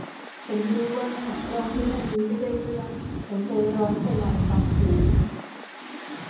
ฉันรู้ว่ารองพื้นอันนี้ไม่ได้เรื่อง ฉันใจร้อนไปหน่อยตอนซื้อ